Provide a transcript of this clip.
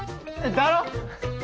だろ？